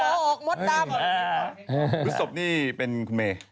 พุกศพนี่เป็นคุณเมย์